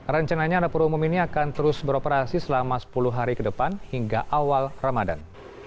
rencananya dapur umum ini akan terus beroperasi selama sepuluh hari ke depan hingga awal ramadan